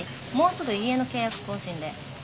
もうすぐ家の契約更新で。